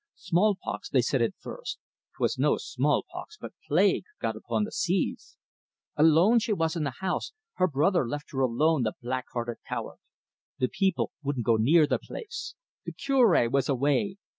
Small pox they said at furst. 'Twas no small pox, but plague, got upon the seas. Alone she was in the house her brother left her alone, the black hearted coward. The people wouldn't go near the place. The Cure was away.